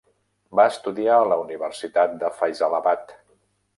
Va estudiar a la Universitat de Faisalabad.